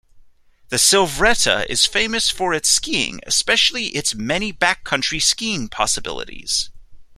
The Silvretta is famous for its skiing especially its many backcountry skiing possibilities.